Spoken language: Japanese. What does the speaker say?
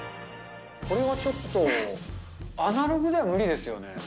これはちょっとアナログでは無理ですよね。